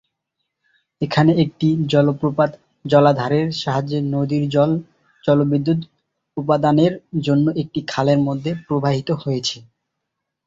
এখানে একটি জলপ্রপাত জলাধারের সাহায্যে নদীর জল জলবিদ্যুৎ উৎপাদনের জন্য একটি খালের মধ্যে প্রবাহিত হয়েছে।